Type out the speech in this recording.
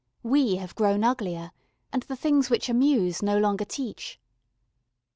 We have grown uglier, and the things which amuse no longer teach.